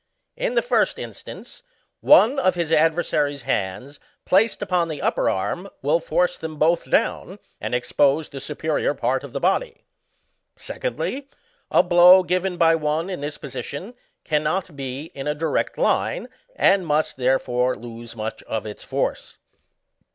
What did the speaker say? In the first in stance, one of his adversary's hands placed upon the upper arm will force them both down, and expose the superior part of the body. Secondly, a blow given by one in this position cannot be in a direct line, and must, therefore, lose mubh of its force.